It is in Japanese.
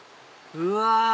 うわ！